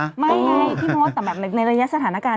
ไม่ไงพี่มดแต่แบบในระยะสถานการณ์